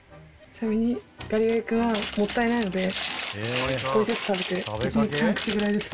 ちなみにガリガリ君はもったいないので少しずつ食べて。